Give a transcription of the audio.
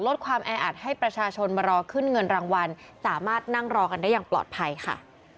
ลดความแออัดให้ประชาชนมารอขึ้นเงินรางวัลสามารถนั่งรอกันได้อย่างปลอดภัยค่ะ